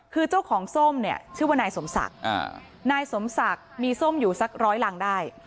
คือเจ้าของส้มเนี่ยชื่อว่านายสมศักดิ์นายสมศักดิ์มีส้มอยู่สักร้อยรังได้